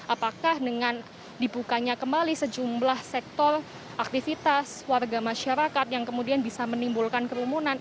apakah dengan dibukanya kembali sejumlah sektor aktivitas warga masyarakat yang kemudian bisa menimbulkan kerumunan